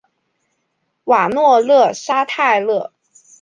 瓦诺勒沙泰勒。